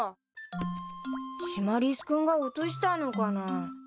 シマリス君が落としたのかな。